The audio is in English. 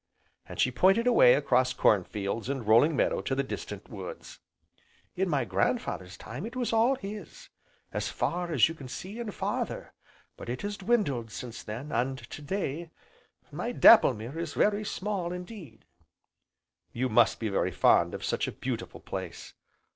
and she pointed away across corn fields and rolling meadow to the distant woods. "In my grandfather's time it was all his as far as you can see, and farther, but it has dwindled since then, and to day, my Dapplemere is very small indeed." "You must be very fond of such a beautiful place."